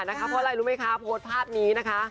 เพราะอะไรรู้ไหมคะโพสต์ภาพนี้นะคะ